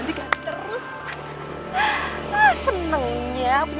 enggak telah kembalikan dina pada asli